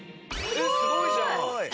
えっすごいじゃん！